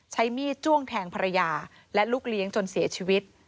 ใช้มีดจ้วงแทงภรรยาและลูกเลี้ยงจนเสียชีวิต